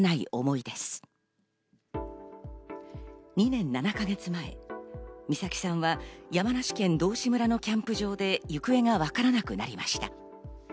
２年７か月前、美咲さんは山梨県道志村のキャンプ場で行方がわからなくなりました。